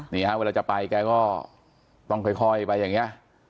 เมื่อจะไปแกก็ต้องค่อยแบบนี้